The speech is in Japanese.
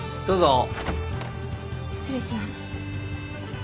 どうぞ。